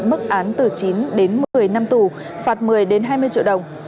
mức án từ chín đến một mươi năm tù phạt một mươi đến hai mươi triệu đồng